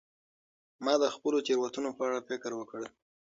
ما د خپلو تیروتنو په اړه فکر وکړ.